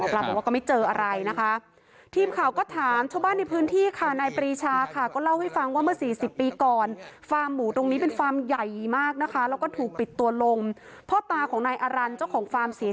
หมอบรับบอกว่าก็ไม่เจออะไรนะคะ